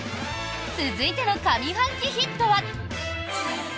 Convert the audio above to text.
続いての上半期ヒットは。